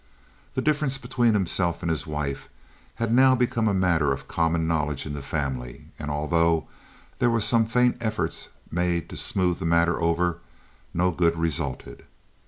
The difference between himself and his wife had now become a matter of common knowledge in the family, and, although there were some faint efforts made to smooth the matter over, no good resulted.